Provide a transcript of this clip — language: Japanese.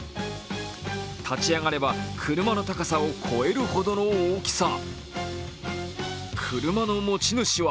立ち上がれば車の高さを超えるほどの大きさ。